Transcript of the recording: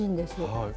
はい。